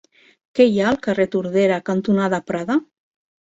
Què hi ha al carrer Tordera cantonada Prada?